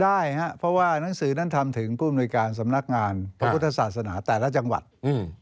ได้ฮะเพราะว่าหนังสือนั้นทำถึงผู้อำนวยการสำนักงานพระพุทธศาสนาแต่ละจังหวัดอืม